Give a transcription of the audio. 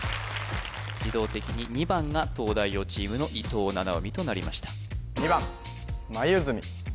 自動的に２番が東大王チームの伊藤七海となりました